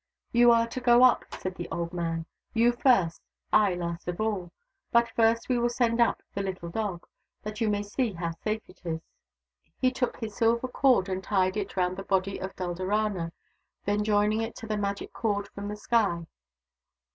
" You are to go up," said the old man. " You first, I last of all. But first we will send up the little dog, that you may see how safe it is." He took his silver cord and tied it round the body of Dulderana, then joining it to the magic cord from the sky.